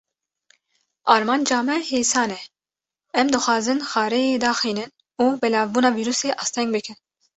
Armanca me hêsan e, em dixwazin xareyê daxînin, û belavbûna vîrusê asteng bikin.